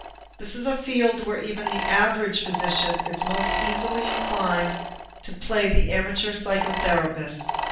This is a field where even the average physician is most easily inclined to play the amateur psychotherapist.